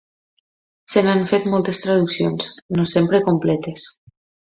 Se n'han fet moltes traduccions, no sempre completes.